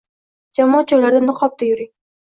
jamoat joylarida tibbiy niqobda yuring